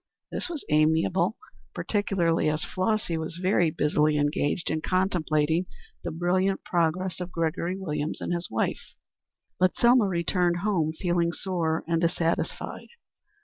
This was amiable, particularly as Flossy was very busily engaged in contemplating the brilliant progress of Gregory Williams and his wife. But Selma returned home feeling sore and dissatisfied.